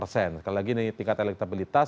sekali lagi ini tingkat elektabilitas